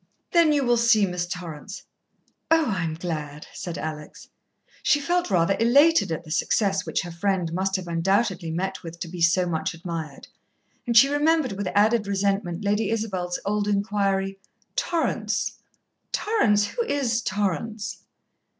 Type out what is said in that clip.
"Then you will see Miss Torrance." "Oh, I'm glad," said Alex. She felt rather elated at the success which her friend must have undoubtedly met with, to be so much admired, and she remembered with added resentment Lady Isabel's old inquiry: "Torrance Torrance who is Torrance?"